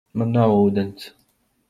Man nav ūdens.